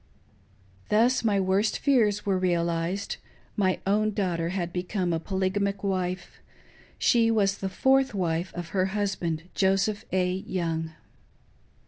Thus my worst fears were realised — my own daughter had become a polygamic wife — she was the fourth wife of her hus band, Joseph A. Young.